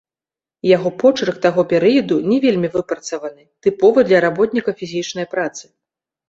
Яго почырк таго перыяду не вельмі выпрацаваны, тыповы для работніка фізічнай працы.